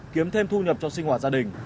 kiếm thêm thu nhập cho sinh hoạt gia đình